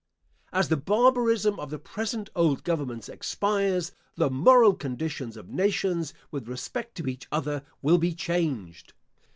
As the barbarism of the present old governments expires, the moral conditions of nations with respect to each other will be changed.